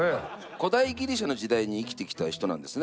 古代ギリシャの時代に生きた人なんですね。